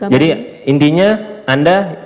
jadi intinya anda